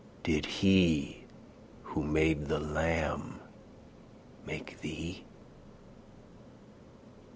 Did he who made the lamb make thee?